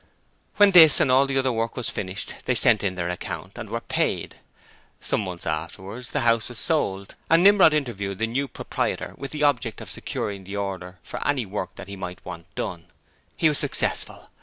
When this and all the other work was finished they sent in their account and were paid. Some months afterwards the house was sold, and Nimrod interviewed the new proprietor with the object of securing the order for any work that he might want done. He was successful.